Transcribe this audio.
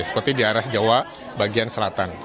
seperti di arah jawa bagian selatan